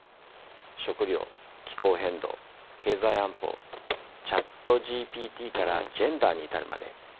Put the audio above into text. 食糧気候変動経済安保ＣｈａｔＧＰＴからジェンダーに至るまで大変幅広い。